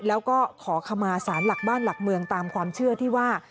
แล้วก็ขอขมาสารหลักบ้านหลักเมืองตามความเชื่อที่ว่า